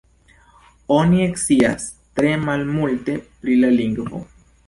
Oni scias tre malmulte pri la lingvo.